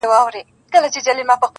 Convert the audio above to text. بې دلیله څارنواله څه خفه وي,